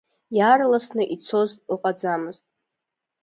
Иаарласны ицоз ыҟаӡамызт.